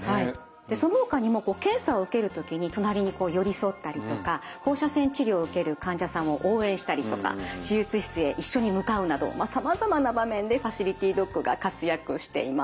そのほかにも検査を受ける時に隣に寄り添ったりとか放射線治療を受ける患者さんを応援したりとか手術室へ一緒に向かうなどさまざまな場面でファシリティドッグが活躍しています。